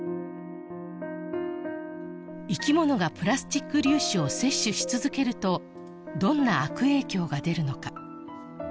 生き物がプラスチック粒子を摂取し続けるとどんな悪影響が出るのか